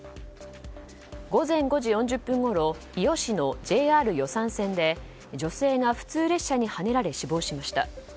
午前５時４０分ごろ伊予市のＪＲ予讃線で女性が普通列車にはねられ死亡しました。